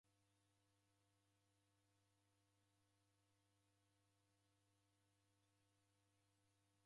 Mdumiki wa Mlungu ofwa ngelo vueri Krismasi chendaida.